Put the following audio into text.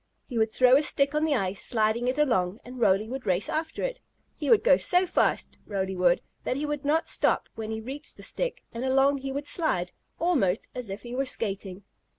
He would throw a stick on the ice, sliding it along, and Roly would race after it. He would go so fast, Roly would, that he could not stop when he reached the stick, and along he would slide, almost as if he were skating.